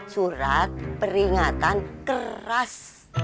surat peringatan keras